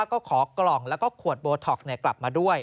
ก็ขอกล่องแล้วก็ขวดโบท็อกซ์กลับมาด้วย